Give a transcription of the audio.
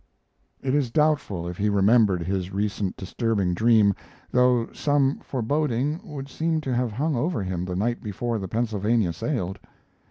It is doubtful if he remembered his recent disturbing dream, though some foreboding would seem to have hung over him the night before the Pennsylvania sailed.